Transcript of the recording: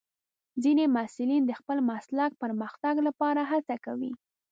ځینې محصلین د خپل مسلک پرمختګ لپاره هڅه کوي.